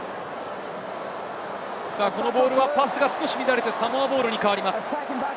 パスが少し乱れて、サモアボールに変わります。